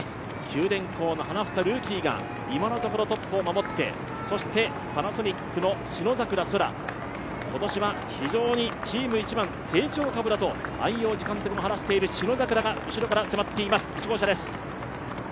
九電工の花房、ルーキーが今のところトップを守って、そしてパナソニックの信櫻空今年は非常にチーム一番成長株だと安養寺監督も話している信櫻が後ろから迫っています。